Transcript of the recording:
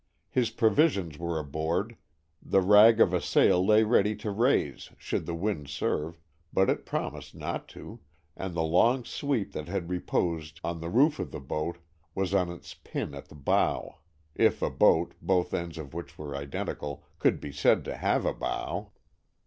His provisions were aboard, the rag of a sail lay ready to raise should the wind serve but it promised not to and the long sweep that had reposed on the roof of the boat was on its pin at the bow, if a boat, both ends of which were identical, could be said to have a bow.